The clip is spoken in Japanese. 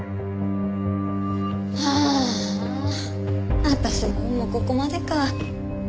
ああ私の運もここまでか。